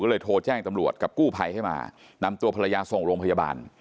ก็เลยโทรแจ้งตำรวจกับกู้ภัยให้มานำตัวภรรยาส่งโรงพยาบาล